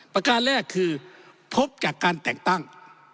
ประการแรกคือพบจากการแต่งตั้ง